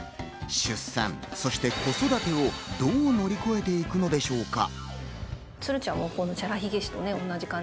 出産、そして子育てをどう乗り越えていくのでしょうか。